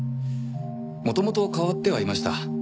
元々変わってはいました。